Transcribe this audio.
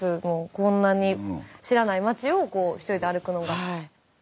こんなに知らない町をこうひとりで歩くのが。